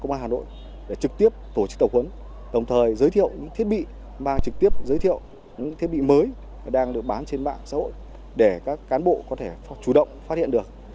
chúng tôi đã đến hà nội để trực tiếp tổ chức tập huấn đồng thời giới thiệu những thiết bị mà trực tiếp giới thiệu những thiết bị mới đang được bán trên mạng xã hội để các cán bộ có thể chủ động phát hiện được